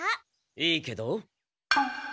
いいけど。